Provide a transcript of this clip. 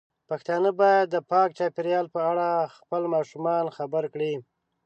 پښتانه بايد د پاک چاپیریال په اړه خپل ماشومان خبر کړي.